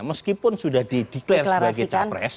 meskipun sudah di deklarasikan sebagai capres